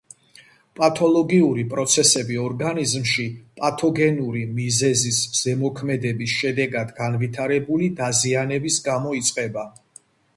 პათოლოგიური პროცესები ორგანიზმში პათოგენური მიზეზის ზემოქმედების შედეგად განვითარებული დაზიანების გამო იწყება.